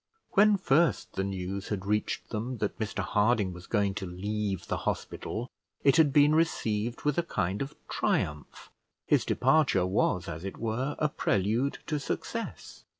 When first the news had reached them that Mr Harding was going to leave the hospital, it had been received with a kind of triumph; his departure was, as it were, a prelude to success.